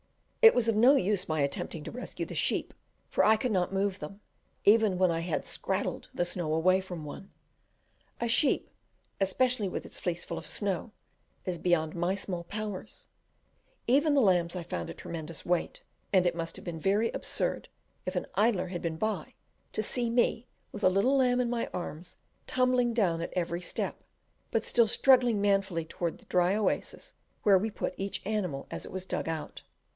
It was of no use my attempting to rescue the sheep, for I could not move them, even when I had scrattled the snow away from one. A sheep, especially with its fleece full of snow, is beyond my small powers: even the lambs I found a tremendous weight, and it must have been very absurd, if an idler had been by, to see me, with a little lamb in my arms, tumbling down at every second step, but still struggling manfully towards the dry oasis where we put each animal as it was dug out.